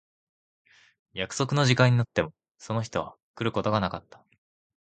約束の時間になってもその人は来ることがなかった。